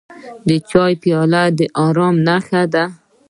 د چای پیاله د ارام نښه ده.